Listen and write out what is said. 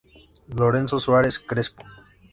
Lorenzo Suárez Crespo.